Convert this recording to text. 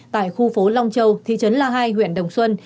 tại khu phố long châu thị trấn la hai huyện đồng xuân